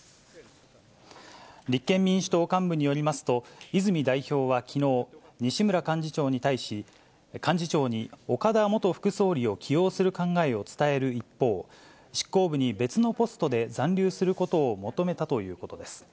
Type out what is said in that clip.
立憲民主党幹部によりますと、泉代表はきのう、西村幹事長に対し、幹事長に岡田元副総理を起用する考えを伝える一方、執行部に別のポストで残留することを求めたということです。